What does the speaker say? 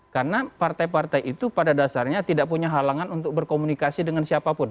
karena partai partai itu pada dasarnya tidak punya halangan untuk berkomunikasi dengan siapapun